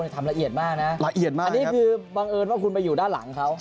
ทำละเอียดมากนะอันนี้คือบังเอิญว่าคุณมาอยู่ด้านหลังเขา